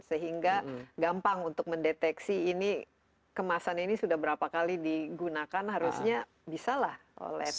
sehingga gampang untuk mendeteksi ini kemasan ini sudah berapa kali digunakan harusnya bisa lah oleh